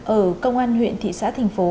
ở công an huyện thị xã thành phố